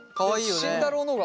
慎太郎のが？